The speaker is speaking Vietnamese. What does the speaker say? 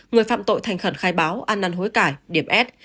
người phạm tội thành khẩn khai báo ăn năn hối cải điểm s